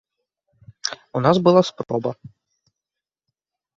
У нас была спроба.